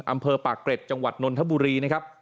อำเภอปากเกร็ดจังหวัดนนทบุรีนะครับ